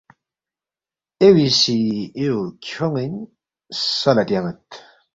ایوی سی ایو کھیون٘ین سہ لہ تیان٘ید